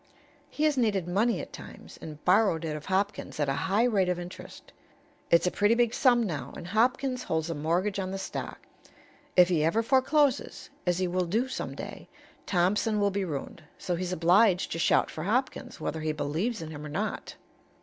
He has needed money at times, and borrowed it of Hopkins at a high rate of interest. It's a pretty big sum now, and Hopkins holds a mortgage on the stock. If he ever forecloses, as he will do some day, Thompson will be ruined. So he's obliged to shout for Hopkins, whether he believes in him or not."